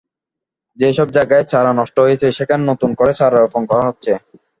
যেসব জায়গায় চারা নষ্ট হয়েছে, সেখানে নতুন করে চারা রোপণ করা হচ্ছে।